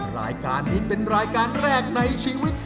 รายการนี้เป็นรายการแรกในชีวิต